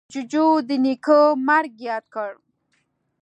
جوجو د نیکه مرگ ياد کړ.